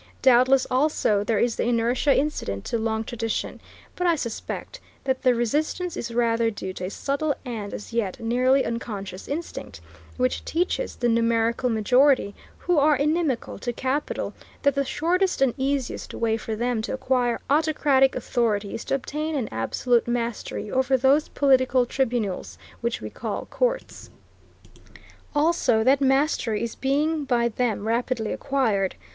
Doubtless, also, there is the inertia incident to long tradition, but I suspect that the resistance is rather due to a subtle and, as yet, nearly unconscious instinct, which teaches the numerical majority, who are inimical to capital, that the shortest and easiest way for them to acquire autocratic authority is to obtain an absolute mastery over those political tribunals which we call courts. Also that mastery is being by them rapidly acquired.